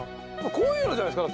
こういうのじゃないですか？